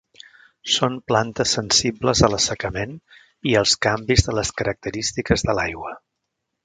Són plantes sensibles a l'assecament i als canvis de les característiques de l'aigua.